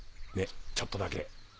ねっちょっとだけ。